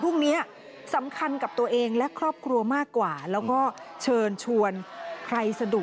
พรุ่งนี้นะคะคุณพ่อจะกลับมาแล้วถ้าใครมีโอกาสก็รอต้อนรับท่านได้หรือว่าจะดูจากสื่อก็ได้นะคะ